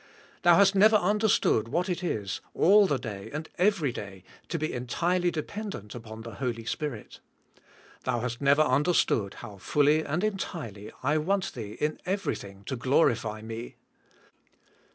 Thou hast never understood what it is, all the day and every day to be entirely de pendent upon the Holy Spirit. Thou hast never understood how fully and entirely I want thee, in everything , to g lorify Me.